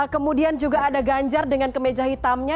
kemudian juga ada ganjar dengan kemeja hitamnya